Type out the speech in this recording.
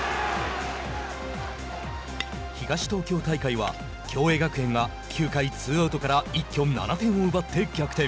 東東京大会は共栄学園が９回ツーアウトから一挙７点を奪って逆転。